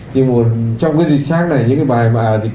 nhưng mà trong cái dịch sát này những cái bài mà dịch